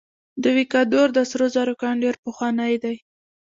د ویکادور د سرو زرو کان ډیر پخوانی دی.